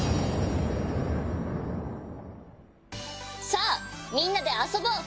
さあみんなであそぼう。